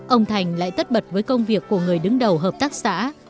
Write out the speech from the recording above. ông thành lại tất bật với công việc của người đứng đầu hợp tác xã